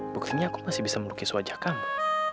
buktinya aku masih bisa melukis wajah kamu